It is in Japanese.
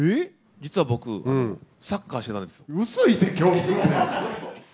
実は僕、サッカーしてたんです。